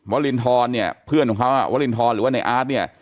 วรินทรเนี่ยเพื่อนของเขาวรินทรหรือว่าในอาร์ตเนี่ย